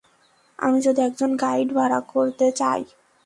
আমি যদি একজন গাইড ভাড়া করতে চাই?